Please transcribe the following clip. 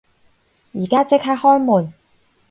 而家即刻開門！